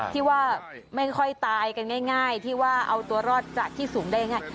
ที่ว่าไม่ค่อยตายกันง่ายที่ว่าเอาตัวรอดจากที่สูงได้ง่าย